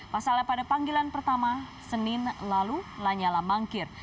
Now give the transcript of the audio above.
pasalnya pada panggilan pertama senin lalu lanyala mangkir